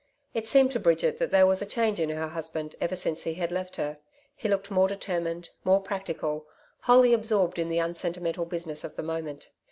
It seemed to Bridget that there was a change in her husband even since he had left her. He looked more determined, more practical, wholly absorbed in the unsentimental business of the moment.